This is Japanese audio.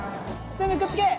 全部くっつけ！